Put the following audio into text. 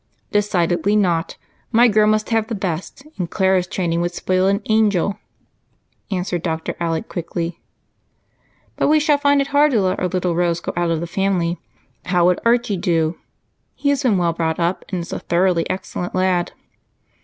"Decidedly not. My girl must have the best, and Clara's training would spoil an angel," answered Dr. Alec quickly. "But we shall find it hard to let our little Rose go out of the family. How would Archie do? He has been well brought up and is a thoroughly excellent lad."